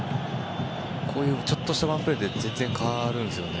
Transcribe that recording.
こういうちょっとしたワンプレーで全然変わるんですよね。